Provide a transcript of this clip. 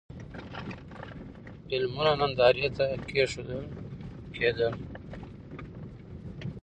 فلمونه نندارې ته کېښودل کېدل.